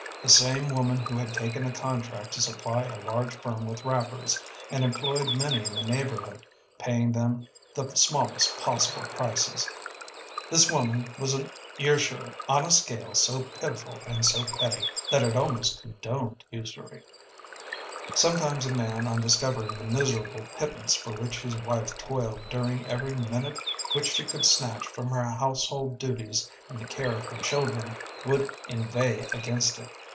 The same woman had taken a contract to supply a large firm with wrappers, and employed many in the neighborhood, paying them the smallest possible prices. This woman was a usurer on a scale so pitiful and petty that it almost condoned usury. Sometimes a man on discovering the miserable pittance for which his wife toiled during every minute which she could snatch from her household duties and the care of her children, would inveigh against it.